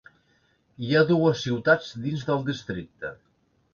Hi ha dues ciutats dins del districte.